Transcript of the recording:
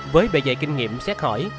với bề dạy kinh nghiệm xét hỏi